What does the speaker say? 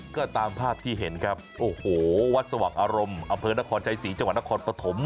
ก็ตามภาพที่เห็นครับโอ้โหวัดสว่างอารมณ์อำเภอนครชัยศรีจังหวัดนครปฐม